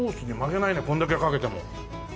これだけかけても。